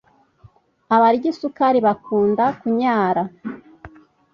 abarya isukari bakunda kunyara